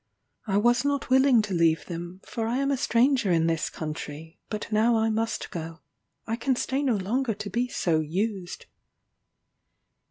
I was not willing to leave them, for I am a stranger in this country, but now I must go I can stay no longer to be so used."